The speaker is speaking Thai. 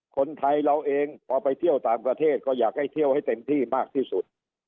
คนไทยเราเองพอไปเที่ยวต่างประเทศก็อยากให้เที่ยวให้เต็มที่มากที่สุด